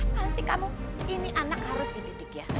apaan sih kamu ini anak harus dididik ya